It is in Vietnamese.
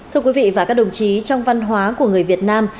thưa quý vị và các đồng chí trong văn hóa của người việt nam